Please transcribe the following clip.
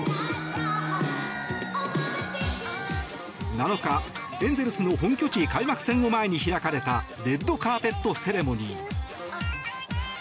７日、エンゼルスの本拠地開幕戦を前に開かれたレッドカーペットセレモニー。